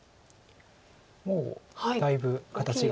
もうだいぶ形が。